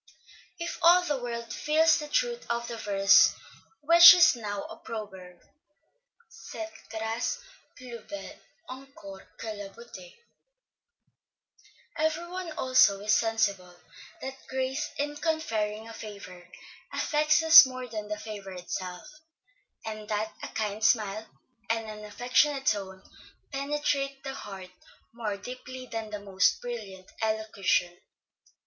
If all the world feels the truth of the verse which is now a proverb, Cette grâce plus belle encors que la beauté, every one also is sensible, that grace in conferring a favor, affects us more than the favor itself, and that a kind smile, and an affectionate tone, penetrate the heart more deeply than the most brilliant elocution.